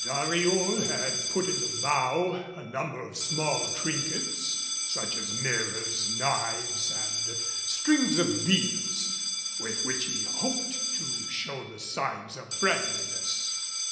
Dariol had put in the bow a number of small trinkets, such as mirrors, knives and strings of beads, with which he hoped to show the signs of friendliness.